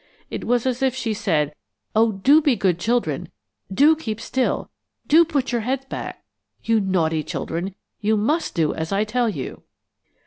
It was as if she said, "Oh, do be good children, do keep still; do put your heads back; you naughty children, you must do as I tell you!"